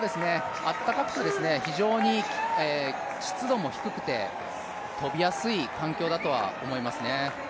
あったかくて、非常に湿度も低くて跳びやすい環境だとは思いますね。